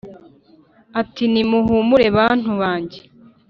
ati ni muhumure bantu bange